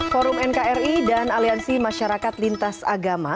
forum nkri dan aliansi masyarakat lintas agama